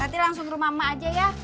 nanti langsung ke rumah mama aja ya